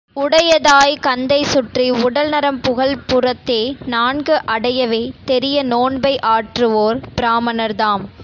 உடையதாய்க் கந்தை சுற்றி, உடல்நரம் புகள்பு றத்தே நான்கு அடையவே தெரிய நோன்பை ஆற்றுவோர் பிராம ணர்தாம்.